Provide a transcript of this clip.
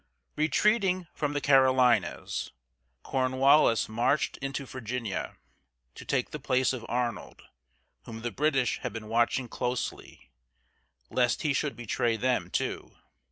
Retreating from the Carolinas, Cornwallis marched into Virginia to take the place of Arnold, whom the British had been watching closely, lest he should betray them, too.